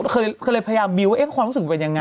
เคยเลยพยายามบิ้วแล้วรู้สึกว่าเป็นอย่างไร